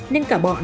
nên cả bọn